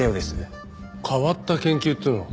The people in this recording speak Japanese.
変わった研究というのは？